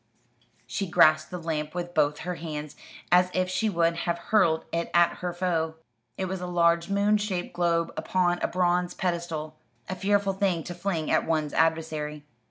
She grasped the lamp with both her hands, as if she would have hurled it at her foe. It was a large moon shaped globe upon a bronze pedestal a fearful thing to fling at one's adversary.